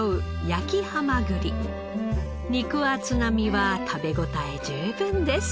肉厚な身は食べ応え十分です。